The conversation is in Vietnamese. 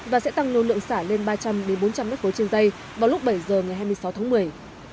và sẽ tăng lưu lượng xả lên ba trăm linh bốn trăm linh m ba trên dây vào lúc bảy giờ ngày hai mươi sáu tháng một mươi